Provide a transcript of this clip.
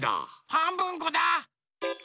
はんぶんこだ。